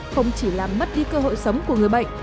không chỉ làm mất đi cơ hội sống của người bệnh